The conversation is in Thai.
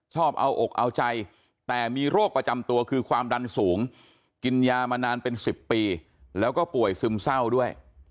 ชอบเอาอกเอาใจแต่มีโรคประจำตัวคือความดันสูงกินยามานานเป็น๑๐ปีแล้วก็ป่วยซึมเศร้าด้วย